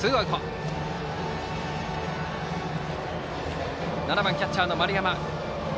バッターは７番キャッチャーの丸山。